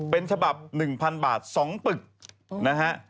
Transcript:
เป็นฉบับ๑๐๐๐บาท๒ปึกนะฮะ